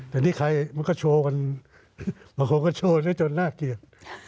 แต่นี้ใครก็โชว์กันจนน่าเกลียด